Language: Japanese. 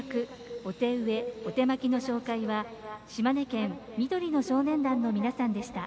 お手植え、お手播きの紹介は島根県、緑の少年団の皆さんでした。